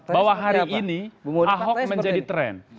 bahwa hari ini ahok menjadi tren